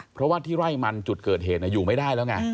เพราะว่าที่ไร่มันจุดเกิดเหตุอยู่ไม่ได้แล้วไง